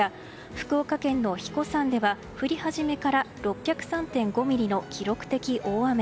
福岡県の英彦山では降り始めから６０３．５ミリの記録的大雨。